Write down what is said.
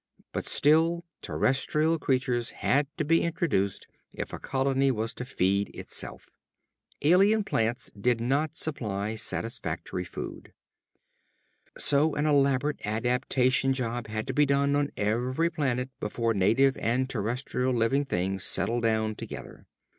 But still terrestrial creatures had to be introduced if a colony was to feed itself. Alien plants did not supply satisfactory food. So an elaborate adaptation job had to be done on every planet before native and terrestrial living things settled down together.